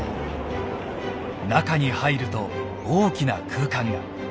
中に入ると大きな空間が。